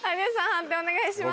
判定お願いします。